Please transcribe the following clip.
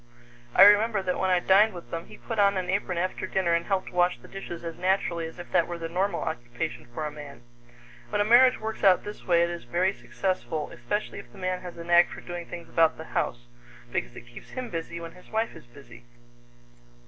I remember that when I dined with them, he put on an apron after dinner and helped wash the dishes as naturally as if that were the normal occupation for a man. When a marriage works out this way, it is very successful, especially if the man has a knack for doing things about the house, because it keeps him busy when his wife is busy.